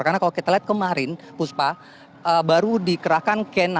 karena kalau kita lihat kemarin puspa baru dikerahkan k sembilan